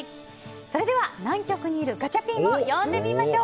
それでは南極にいるガチャピンを呼んでみましょう！